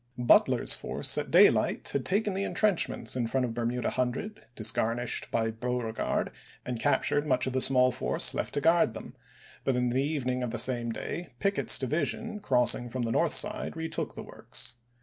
Butler's force at daylight had taken the intrenchments in front of Bermuda Hundred disgarnished by Beauregard, and captured much of the small force left to guard them; but in the evening of the same day Pickett's division, crossing from the north side, retook the works.